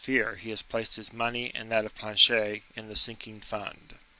Fear he has placed his Money and that of Planchet in the Sinking Fund.